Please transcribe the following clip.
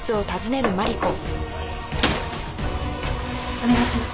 お願いします。